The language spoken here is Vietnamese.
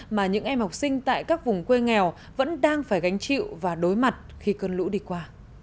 mà những em học sinh tại các vùng quê nghèo vẫn đang phải gánh chịu và đối mặt khi cơn lũ đi qua